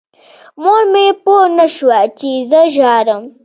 مور مې پوه نه شوه چې زه ژاړم.